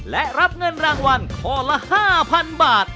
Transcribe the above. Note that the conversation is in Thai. และรับเงินรางวัลข้อละ๕๐๐๐บาท